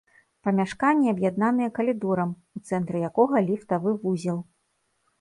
Памяшканні аб'яднаныя калідорам, у цэнтры якога ліфтавы вузел.